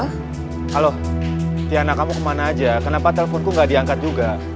halo tiana kamu kemana aja kenapa teleponku gak diangkat juga